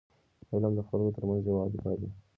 علم د خلکو ترمنځ یووالی پالي.